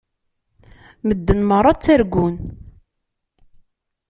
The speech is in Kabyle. Medden meṛṛa ttargun.